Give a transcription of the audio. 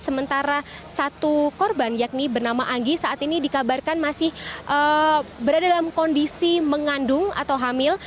sementara satu korban yakni bernama anggi saat ini dikabarkan masih berada dalam kondisi mengandung atau hamil